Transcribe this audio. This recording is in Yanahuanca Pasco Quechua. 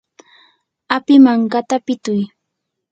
api mankata pituy.